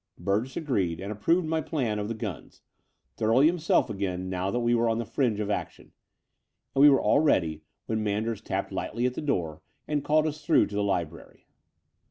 Burgess agreed, and approved my plan of the guns, thoroughly himself again now that we were on the fringe of action: and we were all ready when Manders tapped lightly at the door and called us through to the library.